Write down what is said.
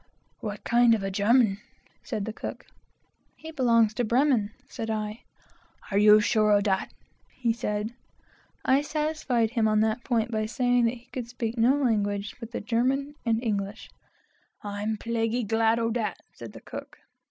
"What kind of a German?" said the cook. "He belongs to Bremen," said I. "Are you sure o' dat?" said he. I satisfied him on that point by saying that he could speak no language but the German and English. "I'm plaguy glad o' dat," said the cook.